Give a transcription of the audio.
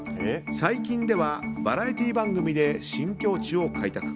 最近ではバラエティー番組で新境地を開拓。